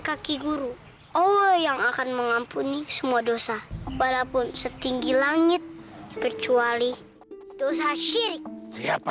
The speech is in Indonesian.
kaki guru oh yang akan mengampuni semua dosa walaupun setinggi langit kecuali dosa syirik siapa